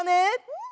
うん！